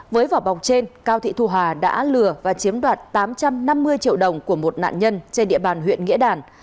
với vỏ bọc trên cao thị thu hà đã lừa và chiếm đoạt tám trăm năm mươi triệu đồng của một nạn nhân trên địa bàn huyện nghĩa đàn